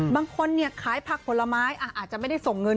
บางคนขายผักผลไม้อาจจะไม่ได้ส่งเงิน